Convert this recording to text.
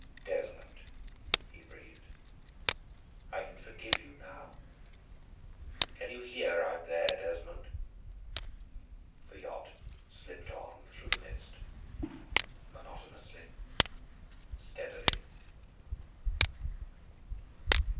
"Desmond," he breathed, "I can forgive you, now. Can you hear out there, Desmond?" The yacht slipped on through the mist, monotonously, steadily.